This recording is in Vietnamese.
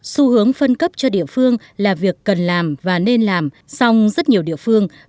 xu hướng phân cấp cho địa phương là việc cần làm và nên làm song rất nhiều địa phương